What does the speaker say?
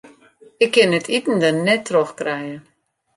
Ik kin it iten der net troch krije.